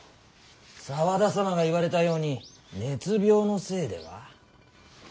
沢田様が言われたように熱病のせいでは。